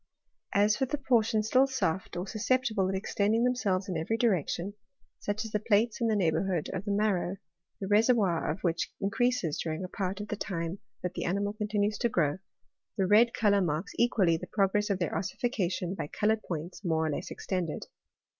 As for the portions still soft, or susceptible of extending themselves in every direction, such as the plates in the neighbourhood of the mar row, the reservoir of which increases during a part of the time that the animal continues to grow, the red colour marks equally the progress of their ossification by coloured points more or less extended.